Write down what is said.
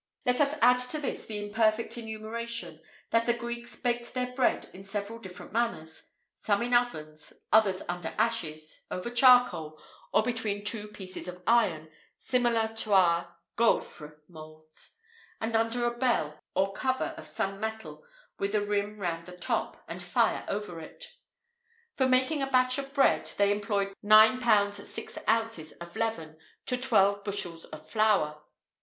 Let us add to this imperfect enumeration, that the Greeks baked their bread in several different manners: some in ovens, others under ashes, over charcoal, or between two pieces of iron, similar to our gauffre moulds, and under a bell, or cover of some metal with a rim round the top, and fire over it.[IV 36] For making a batch of bread, they employed nine pounds six ounces of leaven to twelve bushels of flour.